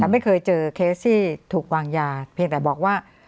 ไม่เคยเจอเคสที่ถูกวางยาเพียงแต่บอกว่า